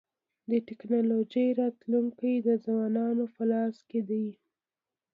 د ټکنالوژۍ راتلونکی د ځوانانو په لاس کي دی.